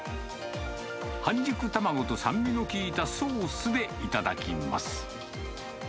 半熟卵と酸味の効いたソースで頂きます。